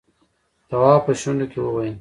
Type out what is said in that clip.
تواب په شونډو کې وويل: